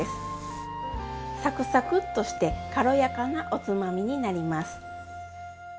サクサクッとして軽やかなおつまみになります。